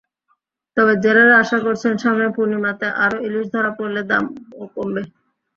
তবে জেলেরা আশা করছেন সামনে পূর্ণিমাতে আরও ইলিশ ধরা পড়লে দামও কমবে।